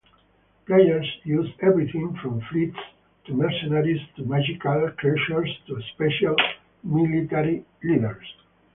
Players use everything from fleets to mercenaries to magical creatures to special military leaders.